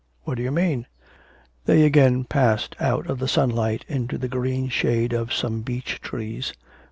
'What do you mean?' They again passed out of the sunlight into the green shade of some beech trees.